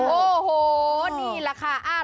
โอ้โหนี่แหละค่ะ